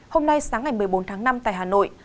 hôm nay sáng ngày một mươi bốn tháng năm tại hà nội